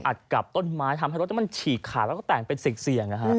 อัดกลับต้นไม้ทำให้รถฉีกขาดแล้วแต่งเป็นสิกเศียง